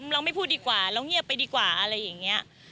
เราไม่พูดดีกว่าเราเงียบไปดีกว่าอะไรอย่างนี้